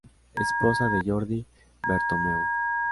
Esposa de Jordi Bertomeu.